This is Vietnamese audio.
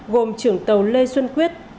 gồm trưởng tàu lê xuân quyết